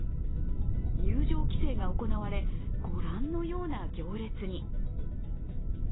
入場規制が行われ御覧のような行列に。